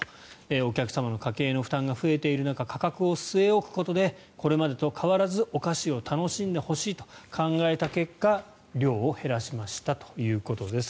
お客様の家計の負担が増えている中価格を据え置くことでこれまでと変わらずお菓子を楽しんでほしいと考えた結果量を減らしましたということです。